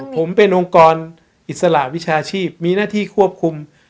ผมเป็นองค์กรอิสระวิชาชีพมีหน้าที่ควบคุม